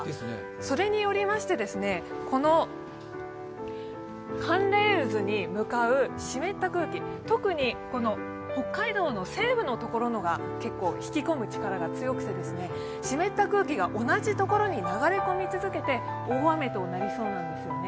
それによりまして寒冷渦に向かう湿った空気、特に北海道の西部のところのが引き込む力が強くて湿った空気が同じところに流れ込み続けて大雨となりそうなんですね。